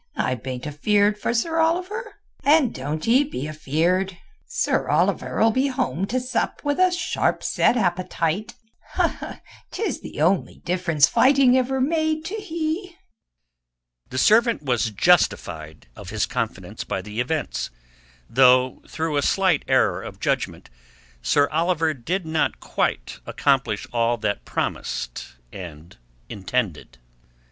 I bain't afeeard for Sir Oliver, and doan't ee be afeeard. Sir Oliver'll be home to sup with a sharp set appetite—'tis the only difference fighting ever made to he." The servant was justified of his confidence by the events, though through a slight error of judgment Sir Oliver did not quite accomplish all that promised and intended.